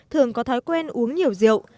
thường có thói quen uống nhiều rượu